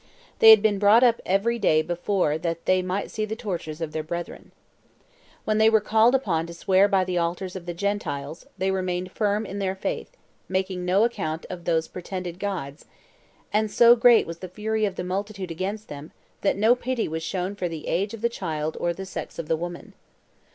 They had been brought up every day before that they might see the tortures of their brethren. When they were called upon to swear by the altars of the Gentiles, they remained firm in their faith, making no account of those pretended gods, and so great was the fury of the multitude against them, that no pity was shown for the age of the child or the sex of the woman.